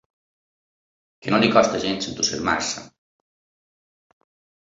Que no li costa gens enfurismar-se.